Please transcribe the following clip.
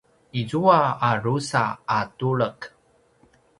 izua a drusa a tulek